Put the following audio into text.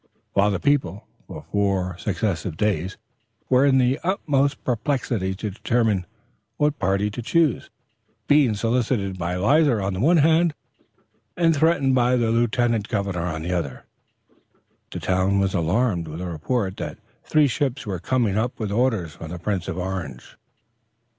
While the people, for four successive days, were in the utmost perplexity to determine what party to choose, being solicited by Leisler on the one hand and threatened by the lieutenant governor on the other, the town was alarmed with a report that three ships were coming up with orders from the Prince of Orange.